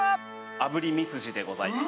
炙りミスジでございます。